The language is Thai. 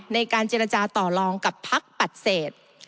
ในการเจรจาต่อลองกับพักปฏิเสธ